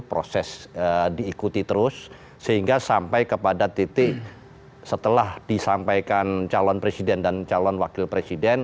proses diikuti terus sehingga sampai kepada titik setelah disampaikan calon presiden dan calon wakil presiden